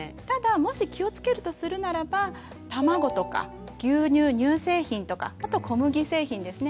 ただもし気をつけるとするならば卵とか牛乳乳製品とかあと小麦製品ですね。